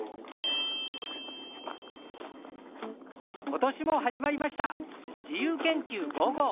今年も始まりました「自由研究５５」。